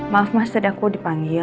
maaf mas tadi aku dipanggil